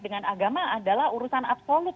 dengan agama adalah urusan absolut